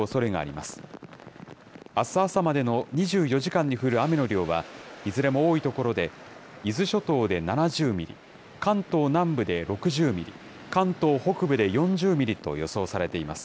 あす朝までの２４時間に降る雨の量は、いずれも多い所で、伊豆諸島で７０ミリ、関東南部で６０ミリ、関東北部で４０ミリと予想されています。